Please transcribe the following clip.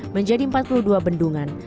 menjadi empat puluh dua bendungan